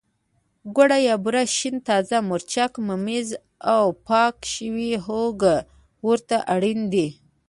ګوړه یا بوره، شین تازه مرچک، ممیز او پاکه شوې هوګه ورته اړین دي.